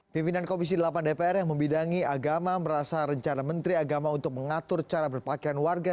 pimpinan komisi delapan dpr yang membidangi agama merasa rencana menteri agama untuk mengatur cara berpakaian warga